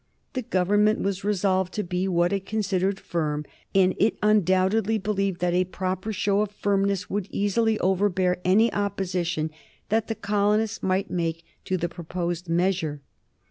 The Government was resolved to be what it considered firm, and it undoubtedly believed that a proper show of firmness would easily overbear any opposition that the colonists might make to the proposed measure.